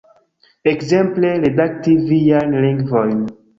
Ekzemple, redakti viajn lingvojn